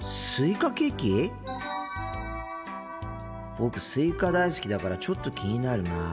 僕スイカ大好きだからちょっと気になるな。